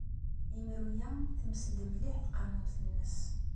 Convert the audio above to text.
Imru-a temsed mliḥ tqamumt-nnes.